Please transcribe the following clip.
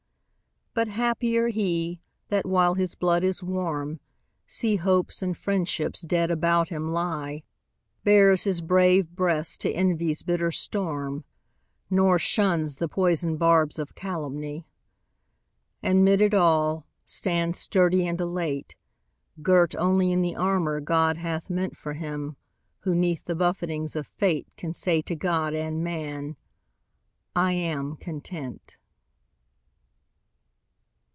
But happier he, that, while his blood is warm, See hopes and friendships dead about him lie Bares his brave breast to envy's bitter storm, Nor shuns the poison barbs of calumny; And 'mid it all, stands sturdy and elate, Girt only in the armor God hath meant For him who 'neath the buffetings of fate Can say to God and man: "I am content."